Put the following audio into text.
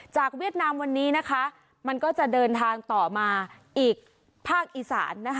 เวียดนามวันนี้นะคะมันก็จะเดินทางต่อมาอีกภาคอีสานนะคะ